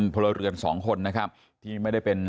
พลเรือนสองคนนะครับที่ไม่ได้เป็น